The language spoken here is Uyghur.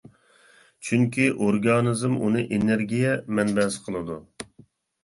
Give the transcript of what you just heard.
چۈنكى ئورگانىزم ئۇنى ئېنېرگىيە مەنبەسى قىلىدۇ.